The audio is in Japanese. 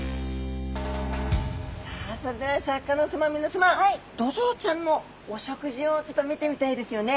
さあそれではシャーク香音さま皆さまドジョウちゃんのお食事をちょっと見てみたいですよね。